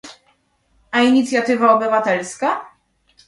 A inicjatywa obywatelska?